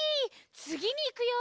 つぎにいくよ！